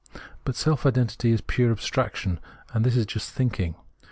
But self identity is pure abstraction ; and this is just thinking.